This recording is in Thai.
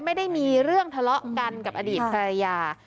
ไม่ได้มีเรื่องทะเลาะกันกับอดีตภรรยา